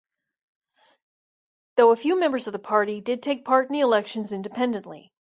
Though a few members of the party did take part in the elections independently.